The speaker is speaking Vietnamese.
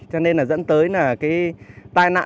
cho nên là dẫn tới là cái tai nạn